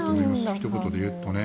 ひと言で言うとね。